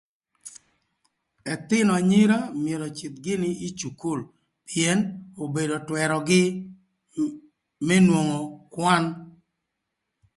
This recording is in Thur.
Ëthïnö anyira myero öcïdh gïnï ï cukul pïën obedo twërögï më nwongo kwan.